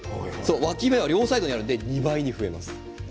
脇芽は両サイドあるので２倍増えます。